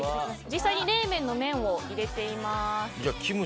実際に冷麺の麺を入れています。